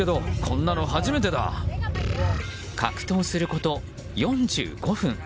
格闘すること４５分。